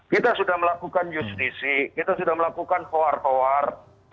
kita sudah melakukan justisi kita sudah melakukan hoar hoar